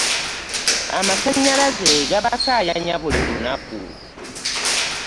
Amasannyalaze gabakayanya buli lunaku